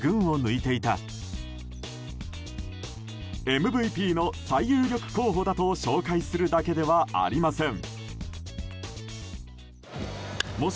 ＭＶＰの最有力候補だと紹介するだけではありません。